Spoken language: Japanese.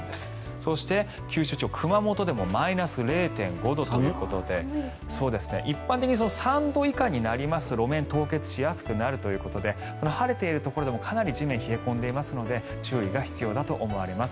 そして九州地方、熊本でもマイナス０．５度ということで一般的に３度以下になりますと路面が凍結しやすくなるということで晴れているところでもかなり地面が冷え込んでいるので注意が必要だと思われます。